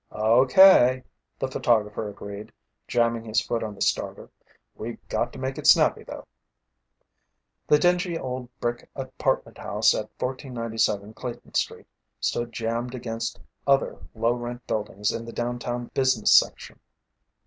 "Okay," the photographer agreed, jamming his foot on the starter. "We got to make it snappy though." The dingy old brick apartment house at 1497 Clayton Street stood jammed against other low rent buildings in the downtown business section.